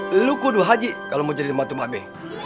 lo lukudu haji kalau mau jadi mantu mbak be